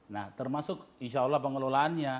nah termasuk insya allah pengelolaannya